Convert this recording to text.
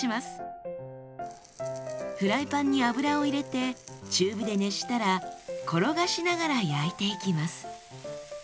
フライパンに油を入れて中火で熱したら転がしながら焼いていきます。